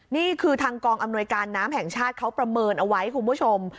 นี่คือทางกองอำนวยการน้ำแห่งชาติเขาประเมินเอาไว้คุณผู้ชม